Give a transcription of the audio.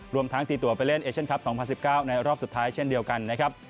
รวมทั้งตีตัวไปเล่นเอเชียนคลับ๒๐๑๙ในรอบสุดท้ายเช่นเดียวกันนะครับ